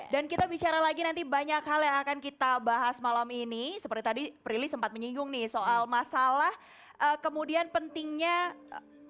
dan kita bicara lagi nanti banyak hal yang akan kita bahas malam ini seperti tadi prilly sempat menyinggung nih soal masalah kemudian pentingnya memahami betul betul usia tepat untuk menikah